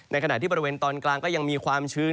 ขณะที่บริเวณตอนกลางก็ยังมีความชื้น